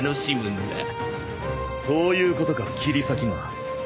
そういうことか切り裂き魔。